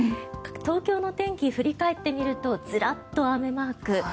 東京の天気を振り返ってみるとずらっと雨マーク。